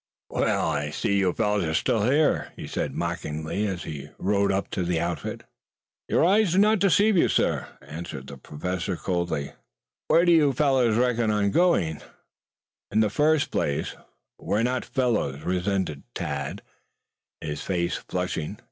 "Well, I see you fellows are still here," he said mockingly as he rode up to the outfit. "Your eyes do not deceive you, sir," answered the Professor coldly. "Where do you fellows reckon you are going?" "In the first place, we are not fellows," resented Tad, his face flushing.